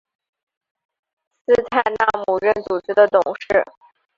斯泰纳姆任组织的董事。